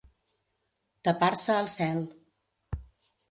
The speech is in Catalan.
Tapar-se el cel.